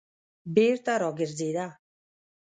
بېرته راگرځېده.